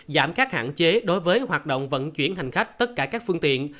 giảm các hạn chế đối với hoạt động vận chuyển hành khách tất cả các phương tiện